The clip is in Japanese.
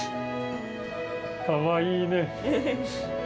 かわいいね。